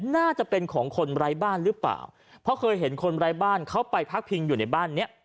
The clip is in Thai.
น่าจะเป็นของคนไร้บ้านหรือเปล่าเพราะเคยเห็นคนไร้บ้านเขาไปพักพิงอยู่ในบ้านเนี้ย